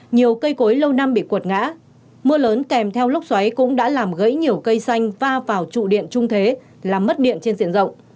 nhiều cây cối lâu năm bị quật ngã mưa lớn kèm theo lốc xoáy cũng đã làm gãy nhiều cây xanh va vào trụ điện trung thế làm mất điện trên diện rộng